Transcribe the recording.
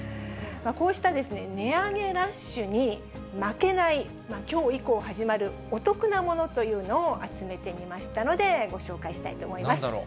こうした値上げラッシュに負けない、きょう以降始まるお得なものというのを集めてみましたので、なんだろう。